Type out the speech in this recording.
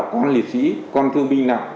con liệt sĩ con thương minh lặng